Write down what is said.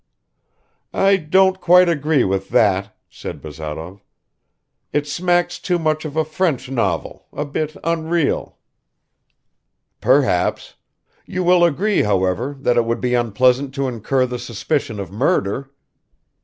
"I don't quite agree with that," said Bazarov. "It smacks too much of a French novel, a bit unreal." "Perhaps. You will agree, however, that it would be unpleasant to incur the suspicion of murder?"